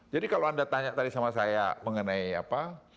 jadi kalau anda tanya tadi sama saya mengenai apa